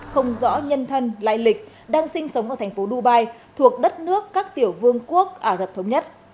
không rõ nhân thân lại lịch đang sinh sống ở tp dubai thuộc đất nước các tiểu vương quốc ả rập thống nhất